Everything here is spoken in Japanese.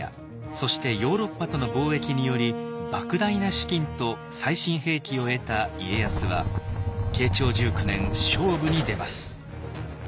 そしてヨーロッパとの貿易によりばく大な資金と最新兵器を得た家康は慶長１９年勝負に出ます。